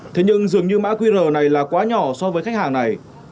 thế nhưng dường như mã qr này là quá nhỏ so với khách hàng này